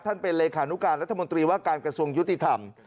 เป็นเลขานุการรัฐมนตรีว่าการกระทรวงยุติธรรม